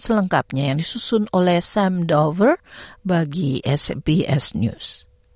selengkapnya yang disusun oleh sam dover bagi smps news